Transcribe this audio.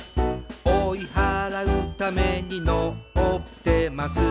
「追い払うためにのってます」